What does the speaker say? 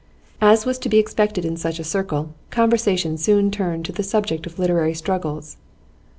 As was to be expected in such a circle, conversation soon turned to the subject of literary struggles.